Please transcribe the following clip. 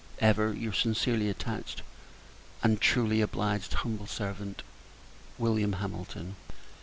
Ever your sincerely attached, and truly obliged, humble servant, Wm. HAMILTON.